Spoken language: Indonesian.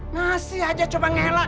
ngasih aja coba ngela